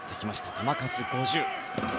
球数、５０。